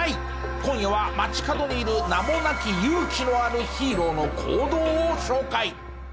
今夜は街角にいる名もなき勇気のあるヒーローの行動を紹介。